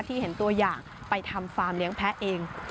ที่เห็นตัวอย่างไปทำฟาร์มเลี้ยงแพ้เอง